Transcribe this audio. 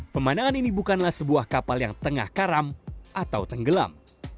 pemandangan ini bukanlah sebuah kapal yang tengah karam atau tenggelam